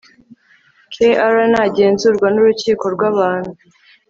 Kr nagenzurwa n urukiko rw abantu